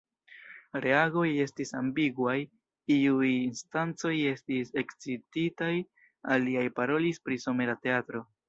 Reagoj estis ambiguaj; iuj instancoj estis ekscititaj, aliaj parolis pri somera teatro.